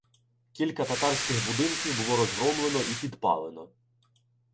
Кілька татарських будинків було розгромлено і підпалено.